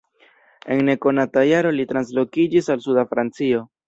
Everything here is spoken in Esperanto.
En nekonata jaro li translokiĝis al suda Francio.